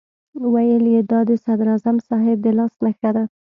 ویل یې دا د صدراعظم صاحب د لاس نښه ده.